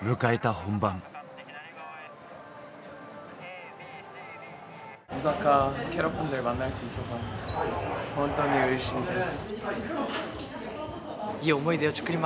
本当にうれしいです。